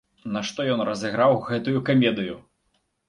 Нашто ён разыграў гэтую камедыю?